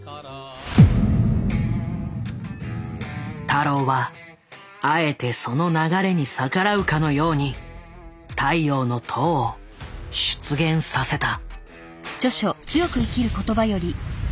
太郎はあえてその流れに逆らうかのように「太陽の塔」を出現させた。